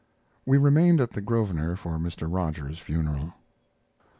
We remained at the Grosvenor for Mr. Rogers's funeral.